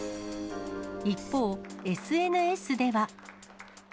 一方、ＳＮＳでは。